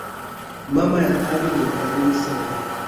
Mama ya ali ni mkarimu sana.